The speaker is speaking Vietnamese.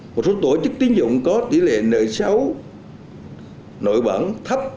một số tổ chức tiến dụng có tỷ lệ nợ xấu nội bản thấp